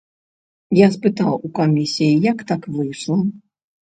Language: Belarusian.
Я спытаў у камісіі, як так выйшла.